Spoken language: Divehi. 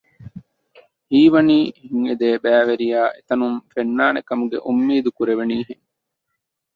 ހީވަނީ ހިތްއެދޭ ބައިވެރިޔާ އެތަނުން ފެންނާނެ ކަމުގެ އުއްމީދު ކުރެވެނީހެން